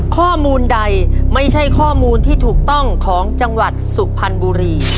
ข้อมูลใดไม่ใช่ข้อมูลที่ถูกต้องของจังหวัดสุพรรณบุรี